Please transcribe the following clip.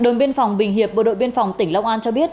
đồn biên phòng bình hiệp bộ đội biên phòng tỉnh long an cho biết